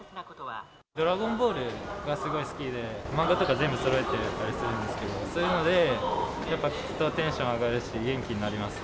ドラゴンボールがすごい好きで、漫画とか全部そろえてたりするんですけど、そういうので、やっぱ聞くとテンション上がるし、元気になります。